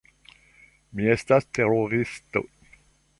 Mi estas teroristo.